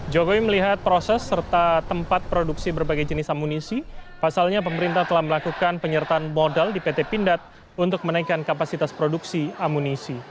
jokowi melihat proses serta tempat produksi berbagai jenis amunisi pasalnya pemerintah telah melakukan penyertaan modal di pt pindad untuk menaikkan kapasitas produksi amunisi